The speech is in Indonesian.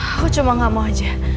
aku cuma gak mau aja